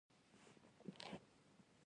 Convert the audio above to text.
آیا دوی له سعودي سره اړیکې ښې نه کړې؟